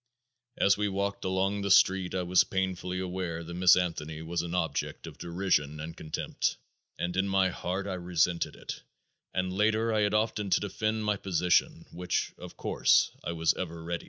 As we walked along the street I was painfully aware that Miss Anthony was an object of derision and contempt, and in my heart I resented it and later I had often to defend my position, which, of course, I was ever ready to do.